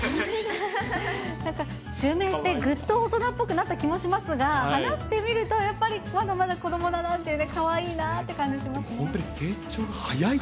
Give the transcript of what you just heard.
なんか襲名してぐっと大人っぽくなった気もしますが、話してみるとやっぱり、まだまだ子どもだなっていうね、かわいいなって本当に成長、早い。